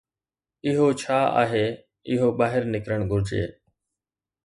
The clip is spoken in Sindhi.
اهو ڇا آهي، اهو ٻاهر نڪرڻ گهرجي.